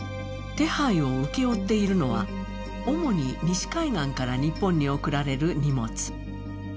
手配を請け負っているのは、主に西海岸から日本に送られる荷物。